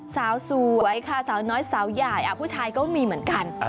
สาวสวยค่ะสาวน้อยสาวใหญ่ผู้ชายก็มีเหมือนกัน